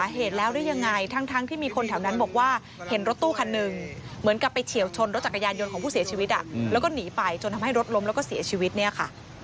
เหมือนกับไปเฉียวชนรถจักรยานยนต์ของผู้เสียชีวิตอ่ะอืมแล้วก็หนีไปจนทำให้รถล้มแล้วก็เสียชีวิตเนี้ยค่ะ